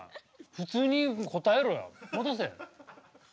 普通に答えろよ戻せ。